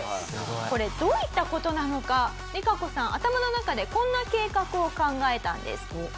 これどういった事なのかリカコさん頭の中でこんな計画を考えたんです。